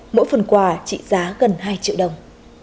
mỗi phần quà trị giá gần hai triệu đồng